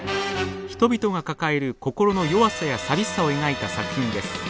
人々が抱える心の弱さや寂しさを描いた作品です。